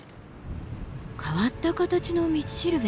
変わった形の道しるべ。